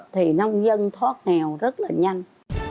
thì nông dân thoát nghèo rất là nhanh